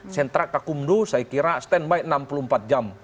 sentra kakumdo saya kira standby enam puluh empat jam